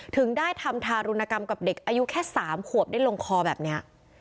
ถึงได้ทำทารุณกรรมกับเด็กอายุแค่๓ขวบได้ลงคอแบบนี้